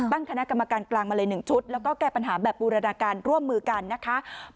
ตั้งคณะกรรมการกลางมาเลย๑ชุดแล้วก็แก้ปัญหาแบบบูรณาการร่วมมือกันนะคะ